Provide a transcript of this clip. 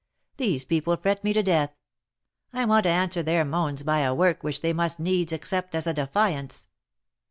These people fret me to death. I want to answer their moans by a work which they must needs accept as a defiance.